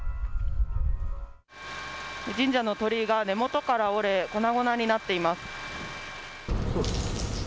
神社の鳥居が根元から折れ、粉々になっています。